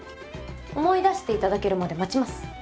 思い出していただけるまで待ちます。